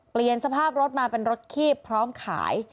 เปลี่ยนสภาพรถมาเป็นรถคีบพร้อมขาย